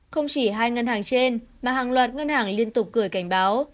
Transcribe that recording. không chỉ hai ngân hàng trên mà hàng loạt ngân hàng liên tục gửi cảnh báo